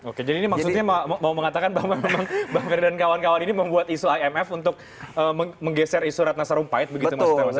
oke jadi ini maksudnya mau mengatakan bahwa memang bang ferry dan kawan kawan ini membuat isu imf untuk menggeser isu ratna sarumpait begitu mas tewas